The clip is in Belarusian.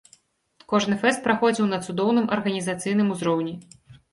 Кожны фэст праходзіў на цудоўным арганізацыйным узроўні.